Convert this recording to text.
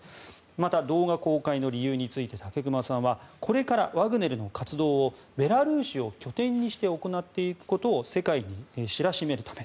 また、動画公開の理由について武隈さんはこれからワグネルの活動をベラルーシを拠点にして行っていくことを世界に知らしめるため。